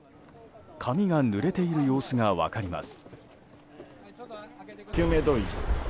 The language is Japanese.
髪がぬれている様子が分かります。